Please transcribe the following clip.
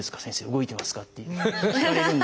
動いてますか？」って聞かれるんですけど。